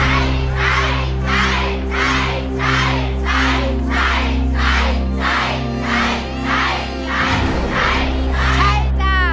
ใช้ใช้ใช้ใช้